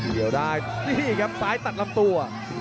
เกี่ยวได้นี่ครับซ้ายตัดลำตัว